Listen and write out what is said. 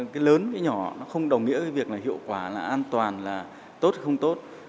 cái lớn cái nhỏ nó không đồng nghĩa với việc là hiệu quả là an toàn là tốt không tốt